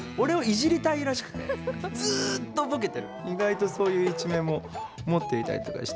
意外と、そういう一面も持っていたりとかして。